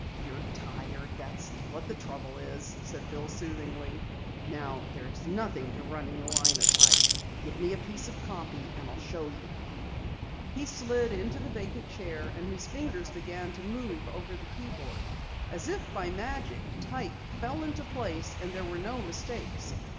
"You're tired, that's what's the trouble," said Bill soothingly. "Now there's nothing to running a linotype. Give me a piece of copy and I'll show you." He slid into the vacant chair and his fingers began to move over the keyboard. As if by magic, type fell into place, and there were no mistakes.